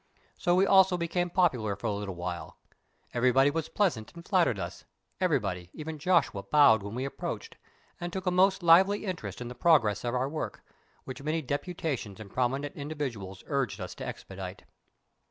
So we also became popular for a little while. Everybody was pleasant and flattered us—everybody, even Joshua, bowed when we approached, and took a most lively interest in the progress of our work, which many deputations and prominent individuals urged us to expedite.